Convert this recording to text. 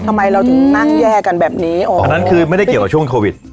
ทำไมเราถึงนั่งแย่กันแบบนี้อันนั้นคือไม่ได้เกี่ยวกับช่วงโควิด